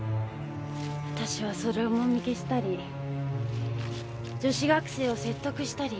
私はそれをもみ消したり女子学生を説得したり。